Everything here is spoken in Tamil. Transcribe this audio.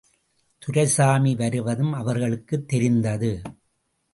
துரைசாமி வருவதும் அவர்களுக்குத் தெரிந்தது.